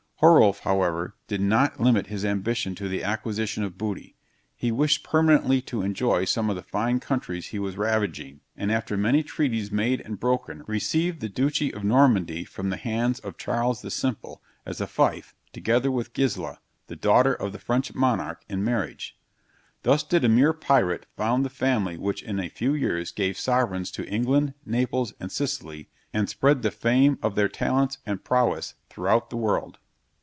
Horolf, however, did not limit his ambition to the acquisition of booty; he wished permanently to enjoy some of the fine countries he was ravaging, and after many treaties made and broken, received the dutchy of Normandy from the lands of Charles the Simple, as a fief, together with Gisla, the daughter of the French monarch, in marriage. Thus did a mere pirate found the family which in a few years gave sovereigns to England, Naples, and Sicily, and spread the fame of their talents and prowess throughout the world.